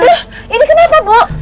aduh ini kenapa bu